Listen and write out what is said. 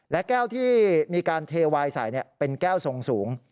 และแก้วที่มีการเทวายใส่เป็นแก้วทรงสูง